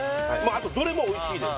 あとどれもおいしいですけどね